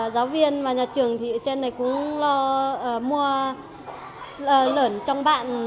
giáo viên và nhà trường trên này cũng lo mua lởn trong bạn